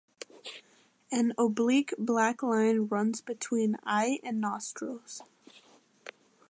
An oblique black line runs between eye and nostrils.